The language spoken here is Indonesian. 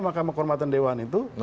makam kehormatan dewa itu